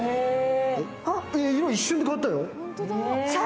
色、一瞬で変わったよ。